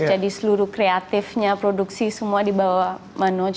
jadi seluruh kreatifnya produksi semua di bawah manuj